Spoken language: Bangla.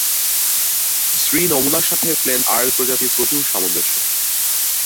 স্ত্রী নমুনার সাথে প্লেন আর্ল প্রজাতির প্রচুর সামঞ্জস্য।